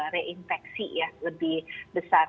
reinfeksi ya lebih besar